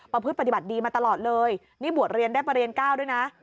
พฤติปฏิบัติดีมาตลอดเลยนี่บวชเรียนได้ประเรียน๙ด้วยนะ